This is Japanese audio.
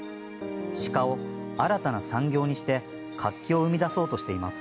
鹿を新たな産業にして活気を生み出そうとしています。